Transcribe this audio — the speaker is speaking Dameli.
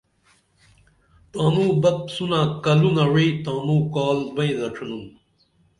تانوں بپ سونہ کَلُنہ وعی تانوں کال بئیں دڇِنُن